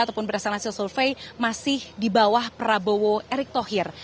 ataupun berdasarkan hasil survei masih di bawah prabowo erick thohir